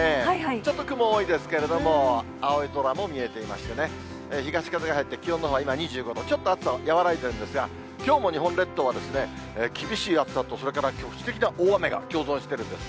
ちょっと雲多いですけれども、青空も見えていましてね、東風が入って、気温のほうは今２５度、ちょっと暑さ和らいでいるんですが、きょうも日本列島は、厳しい暑さと、それから局地的な大雨が共存してるんです。